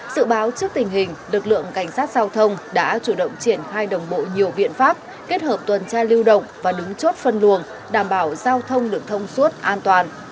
sự báo trước tình hình lực lượng cảnh sát giao thông đã chủ động triển khai đồng bộ nhiều biện pháp kết hợp tuần tra lưu động và đứng chốt phân luồng đảm bảo giao thông lực thông suốt an toàn